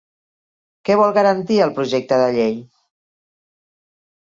Què vol garantir el projecte de llei?